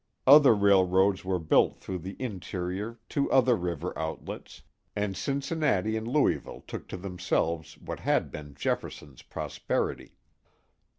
Other railroads were built through the interior to other river outlets, and Cincinnati and Louisville took to themselves what had been Jefferson's prosperity.